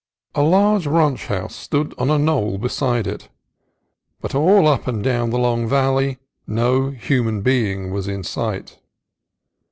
A large ranch house stood on a knoll beside it, but all up and down the long valley no human being was in sight.